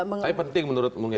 tapi penting menurutmu ya